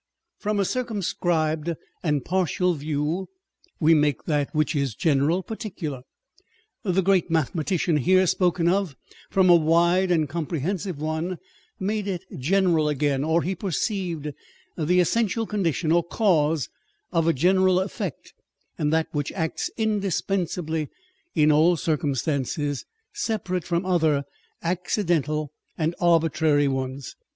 From a cir cumscribed and partial view we make that, which is general, particular : the great mathematician here spoken of, from a wide and comprehensive one, made it general again, or he perceived the essential condition or cause of a general effect, and that which acts indispensably in all circumstances, separate from other accidental and arbitrary ones.